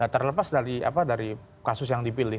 terlepas dari kasus yang dipilih